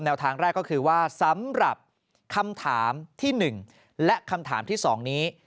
ทางแรกก็คือว่าสำหรับคำถามที่๑และคำถามที่๒นี้